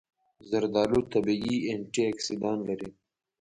زردآلو طبیعي انټياکسیدان لري.